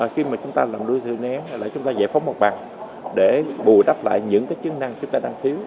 khi mà chúng ta làm đôi thị nén là chúng ta giải phóng một bằng để bù đắp lại những chức năng chúng ta đang thiếu